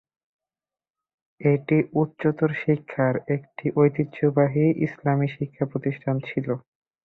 এটি উচ্চতর শিক্ষার একটি ঐতিহ্যবাহী ইসলামী শিক্ষা প্রতিষ্ঠান ছিল।